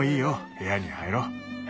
部屋に入ろう。